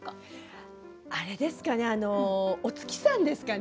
あれですかねお月さんですかね。